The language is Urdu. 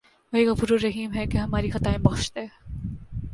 وہی غفورالرحیم ہے کہ ہماری خطائیں بخش دے